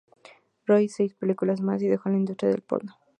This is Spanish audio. Rodó seis películas más y dejó la industria del porno.